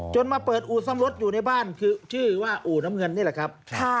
มาเปิดอู่ซ่อมรถอยู่ในบ้านคือชื่อว่าอู่น้ำเงินนี่แหละครับ